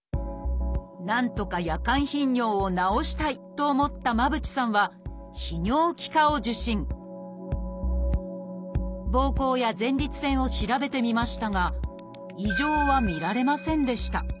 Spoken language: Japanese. なんとか夜間頻尿を治したいと思った間渕さんはぼうこうや前立腺を調べてみましたが異常は見られませんでした。